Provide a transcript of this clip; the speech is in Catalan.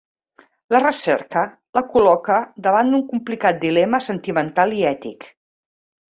La recerca la col·loca davant un complicat dilema sentimental i ètic.